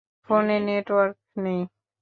ফোনে নেটওয়ার্ক নেই!